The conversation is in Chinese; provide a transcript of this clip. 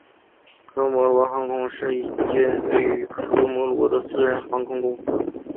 科摩罗航空是一间位于科摩罗的私人航空公司。